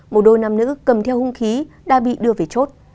một đôi nam nữ cầm theo hung khí đã bị đưa về chốt